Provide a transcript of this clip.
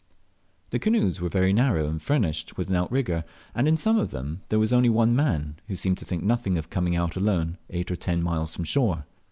The canoes were very narrow and furnished with an outrigger, and in some of them there was only one man, who seemed to think nothing of coming out alone eight or ten miles from shore.